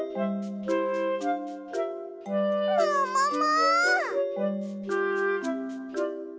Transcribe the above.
ももも！